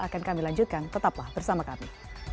akan kami lanjutkan tetaplah bersama kami